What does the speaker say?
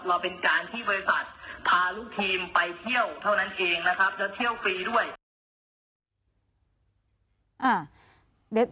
เราเป็นการที่บริษัทพาลูกทีมไปเที่ยวเท่านั้นเองนะครับแล้วเที่ยวฟรีด้วยนะครับ